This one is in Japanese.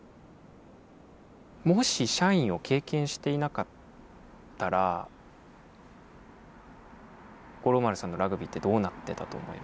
もし社員を経験していなかったら五郎丸さんのラグビーってどうなってたと思いますか？